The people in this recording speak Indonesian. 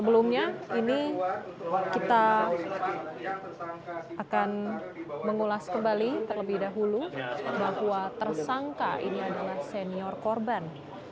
sebelumnya ini kita akan mengulas kembali terlebih dahulu bahwa tersangka ini adalah senior korban